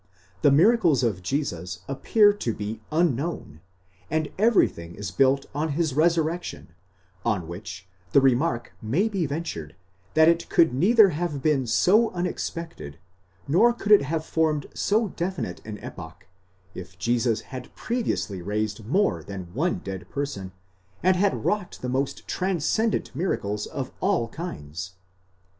the miracles of Jesus appear to be unknown, and everything is built on his resurrection : on which the remark may be ventured that it could neither have been so unexpected nor could it have formed so definite an epoch, if Jesus had previously raised more than one dead person, and had wrought the most transcendent miracles of all kinds.